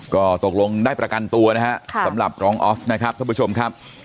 ก็ตกลงได้ประกันตัวนะฮะสำหรับรองออฟนะครับท่านผู้ชมครับ